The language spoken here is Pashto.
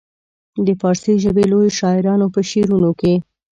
د فارسي ژبې لویو شاعرانو په شعرونو کې.